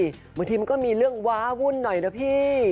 บางทีมันก็มีเรื่องว้าวุ่นหน่อยนะพี่